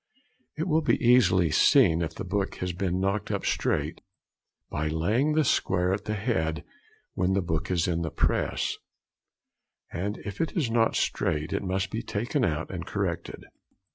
It will be easily seen if the book has been knocked up straight by laying the square at the head when the book is in the press, and if it is not straight, it must be taken out and corrected.